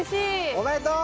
おめでとう！